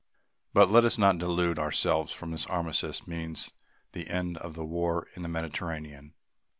But let us not delude ourselves that this armistice means the end of the war in the Mediterranean.